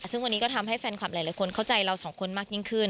ซึ่งวันนี้ก็ทำให้แฟนคลับหลายคนเข้าใจเราสองคนมากยิ่งขึ้น